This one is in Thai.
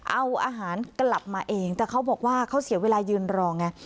เอาอาหารกลับมาเองแต่เขาบอกว่าเขาเสียเวลายืนรอไง